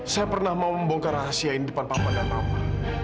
saya pernah mau membongkar rahasia ini depan papan dan mama